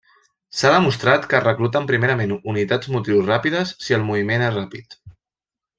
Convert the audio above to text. S'ha demostrat que es recluten primerament unitats motrius ràpides si el moviment és ràpid.